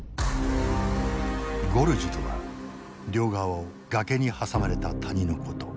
ゴルジュとは両側を崖に挟まれた谷のこと。